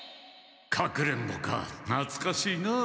隠れんぼかなつかしいなあ。